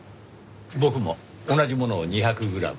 僕も同じものを２００グラム。